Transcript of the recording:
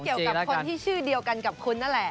เกี่ยวกับคนที่ชื่อเดียวกันกับคุณนั่นแหละ